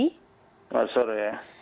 selamat sore ya